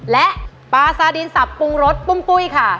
และปลาซาดินสับปรุงรสปุ้มปุ้ยค่ะ